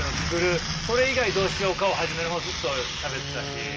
「それ以外どうしようか？」を始めの方ずっとしゃべってたし。